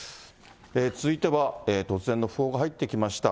続いては突然の訃報が入ってきました。